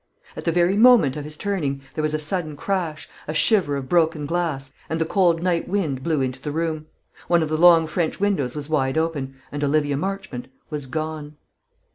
At the very moment of his turning there was a sudden crash, a shiver of broken glass, and the cold night wind blew into the room. One of the long French windows was wide open, and Olivia Marchmont was gone.